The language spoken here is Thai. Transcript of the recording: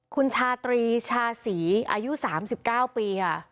คุณชาตรีชาศรีอายุ๓๙ปีค่ะ